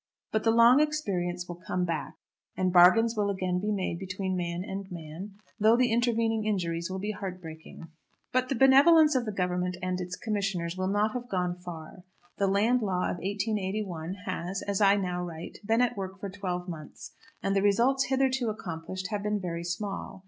But the long experience will come back, and bargains will again be made between man and man, though the intervening injuries will be heartbreaking. But the benevolence of the Government and its commissioners will not have gone far. The Land Law of 1881 has, as I now write, been at work for twelve months, and the results hitherto accomplished have been very small.